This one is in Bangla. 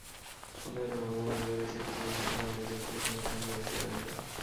অন্ধকারের মধ্যে ঘুমের ঘোরে সে কিছু বুঝিতে না পারিয়া চুপ করিয়া খানিকক্ষণ বসিয়া রহিল।